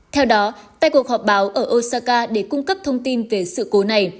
theo đó tại cuộc họp báo ở osaka để cung cấp thông tin về sự cố này